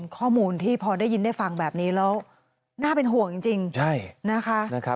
ข้อมูลที่พอได้ยินได้ฟังแบบนี้แล้วน่าเป็นห่วงจริงนะคะ